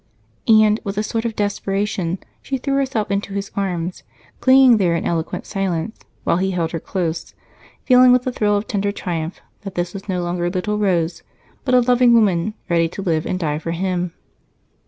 And, with a sort of desperation, she threw herself into his arms, clinging there in eloquent silence while he held her close; feeling, with a thrill of tender triumph, that this was no longer little Rose, but a loving woman, ready to live and die for him.